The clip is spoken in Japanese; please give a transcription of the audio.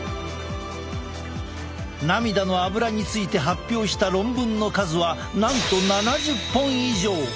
涙のアブラについて発表した論文の数はなんと７０本以上！